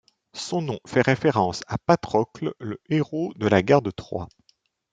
Son nom fait référence à Patrocle, le héros de la guerre de Troie.